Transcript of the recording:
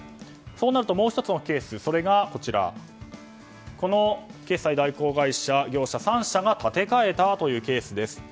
そうなると、もう１つのケースはこの決済代行業者の３社が立て替えたというケースです。